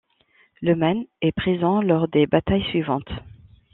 Le Maine est présent lors des batailles suivantes.